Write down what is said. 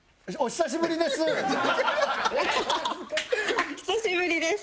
「久しぶりです。